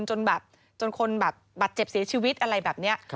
จนคนแบบบัดเจ็บเสียชีวิตอะไรแบบเนี่ย